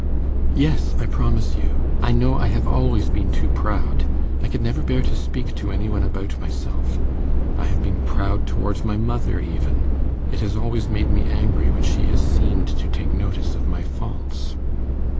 'Yes, I promise you. I know I have always been too proud; I could never bear to speak to any one about myself. I have been proud towards my mother, even; it has always made me angry when she has seemed to take notice of my faults.